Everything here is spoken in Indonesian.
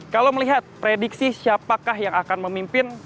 kalau melihat prediksi siapakah yang akan memimpin